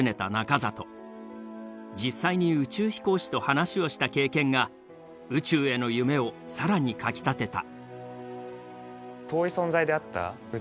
実際に宇宙飛行士と話をした経験が宇宙への夢を更にかきたてた。